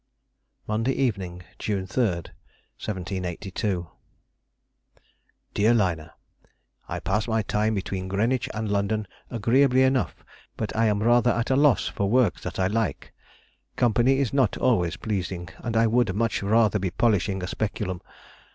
Monday Evening, June 3, 1782. DEAR LINA,— I pass my time between Greenwich and London agreeably enough, but am rather at a loss for work that I like. Company is not always pleasing, and I would much rather be polishing a speculum.